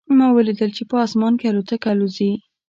ما ولیدل چې په اسمان کې الوتکه الوزي